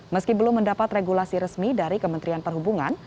meski belum mendapat regulasi resmi dari kementerian perhubungan